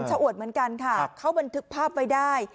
อวดเหมือนกันค่ะเขาบันทึกภาพไว้ได้